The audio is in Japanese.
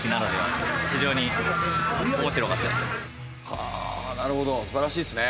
はあなるほどすばらしいですね。